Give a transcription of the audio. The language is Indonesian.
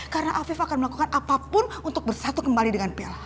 karena afif akan melakukan apapun untuk bersatu kembali dengan bella